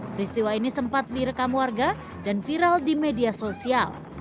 peristiwa ini sempat direkam warga dan viral di media sosial